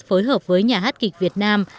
phối hợp với nhà hát kịch việt nam